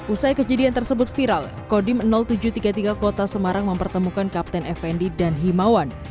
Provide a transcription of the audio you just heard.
usai kejadian tersebut viral kodim tujuh ratus tiga puluh tiga kota semarang mempertemukan kapten fnd dan himawan